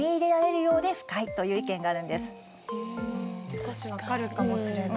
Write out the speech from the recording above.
少し分かるかもしれない。